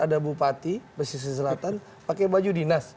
ataupun itu yang membuat api dan innu